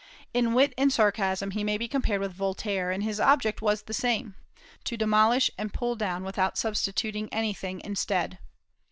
In wit and sarcasm he may be compared with Voltaire, and his object was the same, to demolish and pull down without substituting anything instead.